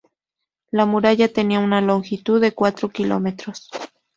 La muralla tenía una longitud de cuatro kilómetros.